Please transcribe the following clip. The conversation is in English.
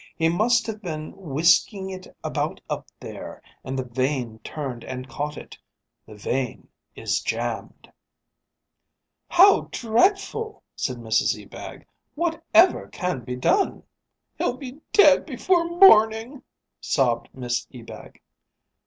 He must have been whisking it about up there, and the vane turned and caught it. The vane is jammed." "How dreadful!" said Mrs Ebag. "Whatever can be done?" "He'll be dead before morning," sobbed Miss Ebag.